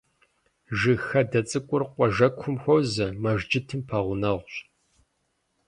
Жыг хадэ цӏыкӏур къуажэкум хуозэ, мэжджытым пэгъунэгъущ.